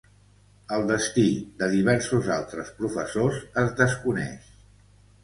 El destí de diversos altres professors es desconeix.